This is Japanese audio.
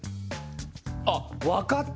あっわかった！